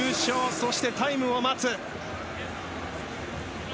そしてタイムを待つ。